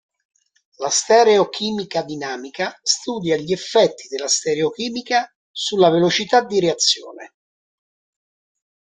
La stereochimica dinamica studia gli effetti della stereochimica sulla velocità di reazione.